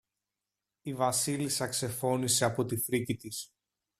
Η Βασίλισσα ξεφώνισε από τη φρίκη της